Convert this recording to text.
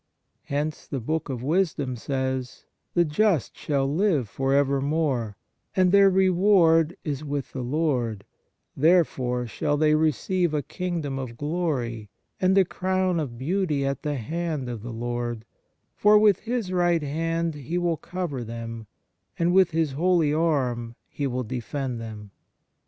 Hence the Book of Wisdom says: " The just shall live for evermore, and their reward is with the Lord; therefore shall they receive a kingdom of glory, and a crown of beauty at the hand of the Lord, for with His right hand He will cover them, and with His holy arm He will defend them."